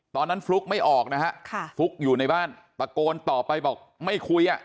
ตอนนั้นฟลุ๊กไม่ออกฟลุ๊กอยู่ในบ้านประโกนต่อไปบอกไม่คุย